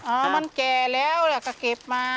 โอ้ออมันแก่แล้วล่ะก็เก็บมา